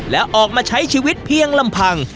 และออกมาใช้ชีวิตเพียงลำพัง